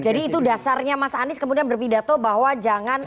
itu dasarnya mas anies kemudian berpidato bahwa jangan